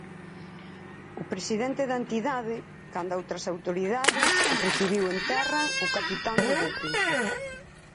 O presidente da entidade, canda outras autoridades, recibiu en terra o capitán do buque.